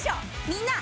みんな。